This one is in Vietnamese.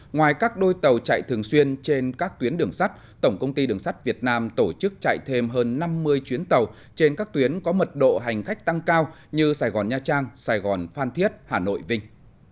ngoài các đôi tàu chạy thường xuyên trên các tuyến đường sắt tổng công ty đường sắt việt nam tổ chức chạy thêm hơn năm mươi chuyến tàu trên các tuyến có mật độ hành khách tăng cao như sài gòn nha trang sài gòn phan thiết hà nội vinh